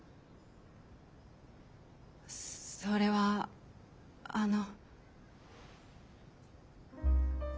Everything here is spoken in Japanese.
それはあの。